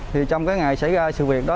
thì trong cái ngày xảy ra sự việc đó